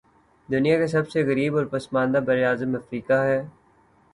دنیا کا سب سے غریب اور پسماندہ براعظم افریقہ ہے